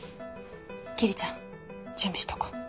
桐ちゃん準備しとこう。